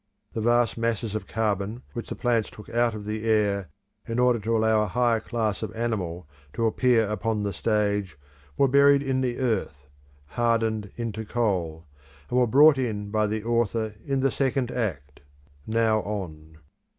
The vast masses of carbon which the plants took out of the air in order to allow a higher class of animal to appear upon the stage, were buried in the earth, hardened into coal, and were brought in by the Author in the second act now on.